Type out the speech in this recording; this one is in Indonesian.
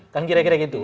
kan kira kira gitu